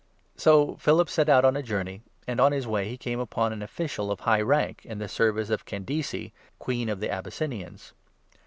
So Philip set out on a journey ; and on his way he came upon 27 an official of high rank, in the service of Candace, Queen of the Abyssinians.